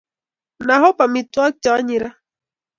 Na hop amitwokik Che anyinyi ra